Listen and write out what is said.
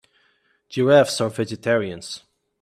Giraffes are vegetarians.